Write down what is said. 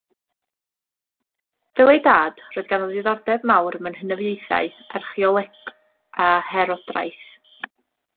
Fel ei dad, roedd ganddo ddiddordeb mawr mewn hynafiaethau, archaeoleg a herodraeth.